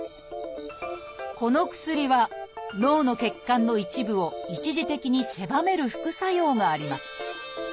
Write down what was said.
この薬は脳の血管の一部を一時的に狭める副作用があります。